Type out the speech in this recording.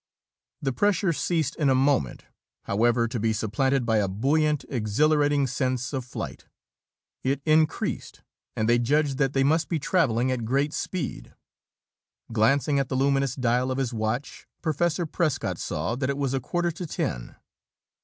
The pressure ceased in a moment, however, to be supplanted by a buoyant, exhilarating sense of flight. It increased, and they judged they must be traveling at great speed. Glancing at the luminous dial of his watch, Professor Prescott saw that it was a quarter to ten.